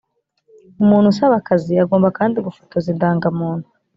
umuntu usaba akazi agomba kandi gufotoza indangamuntu.